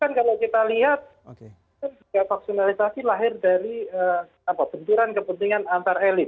kan kalau kita lihat vaksinalisasi lahir dari benturan kepentingan antar elit